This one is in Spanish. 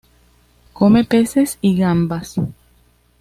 Come peces y gambas.